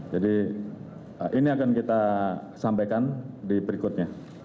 jadi ini akan kita sampaikan di berikutnya